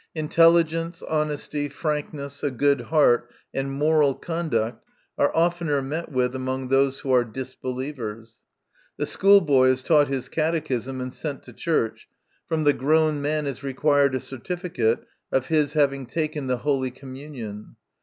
Intelligence, honesty, frankness, a good heart, and moral conduct are often er met with among those who are disbelievers. The school boy is taught his cate chism and sent to church ; from the grown man is required a certificate of his having taken the holy communion.